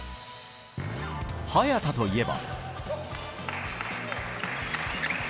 早田といえば。